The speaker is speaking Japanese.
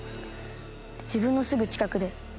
自分のすぐ近くでピタッ。